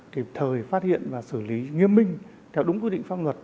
kịp thời phát hiện và xử lý nghiêm minh theo đúng quy định pháp luật